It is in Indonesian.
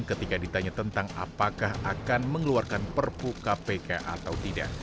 ketika ditanya tentang apakah akan mengeluarkan perpu kpk atau tidak